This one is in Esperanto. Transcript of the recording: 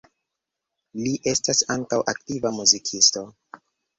Li estas ankaŭ aktiva muzikisto.